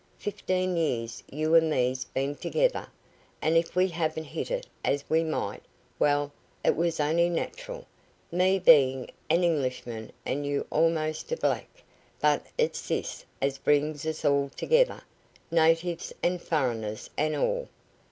"Fifteen years you and me's been together, and if we haven't hit it as we might, well, it was only natural, me being an Englishman and you almost a black; but it's this as brings us all together, natives and furreners, and all.